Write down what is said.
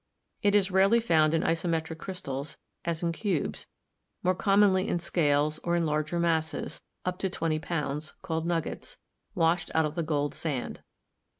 It is rarely found in isometric crystals, as in cubes, more commonly in scales or in larger masses (up to twenty pounds) called nuggets, washed out of the gold sand.